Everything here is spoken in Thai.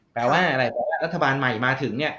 แปลว่าอะไรรัฐบาลใหม่มาถึงเนี่ย